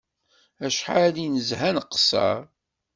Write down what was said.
Acḥal i nezha nqeṣṣer